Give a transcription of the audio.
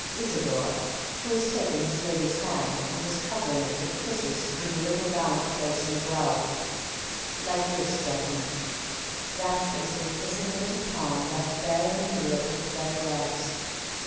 Isidore, who had taken his lady's hand and was covering it with kisses through the little round place in the glove like this, gentlemen" rapturously kissing the bit of palm left bare in the middle of her thread gloves.